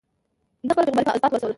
ده خپله پيغمبري په ازبات ورسوله.